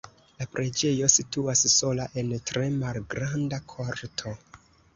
La preĝejo situas sola en tre malgranda korto.